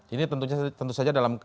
ini tentu saja dalam